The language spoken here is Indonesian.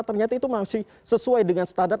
ternyata itu masih sesuai dengan standar